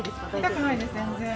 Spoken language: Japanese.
痛くないです全然。